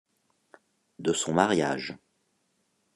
De son mariage,